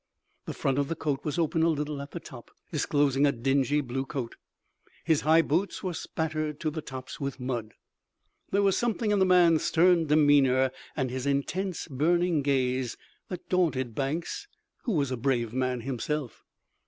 The front of the coat was open a little at the top, disclosing a dingy blue coat. His high boots were spattered to the tops with mud. There was something in the man's stern demeanor and his intense, burning gaze that daunted Banks, who was a brave man himself.